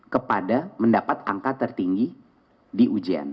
kepada mendapat angka tertinggi di ujian